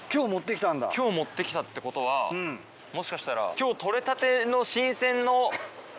今日持って来たってことはもしかしたら今日取れたての。